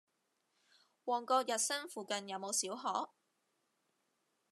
旺角逸新附近有無小學？